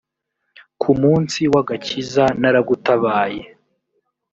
ku munsi w agakiza naragutabaye